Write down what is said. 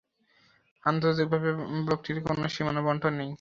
আন্তর্জাতিকভাবে ব্লকটির কোনো সীমানা বণ্টন নেই।